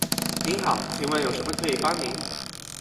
您好，请问有什么可以帮您？